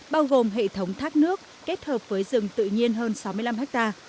bao gồm hệ thống thác nước kết hợp với rừng tự nhiên hơn sáu mươi năm ha